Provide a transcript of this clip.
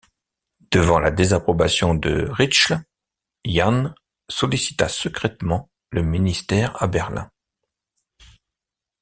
Devant la désapprobation de Ritschl, Jahn sollicita secrètement le Ministère à Berlin.